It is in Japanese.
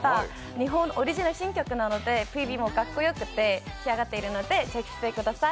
日本オリジナルの新曲なので、ＰＶもかっこよく仕上がっているのでチェックしてください。